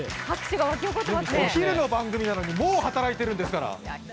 お昼の番組なのにもう働いてるんですから。